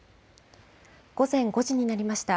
午前５時になりました。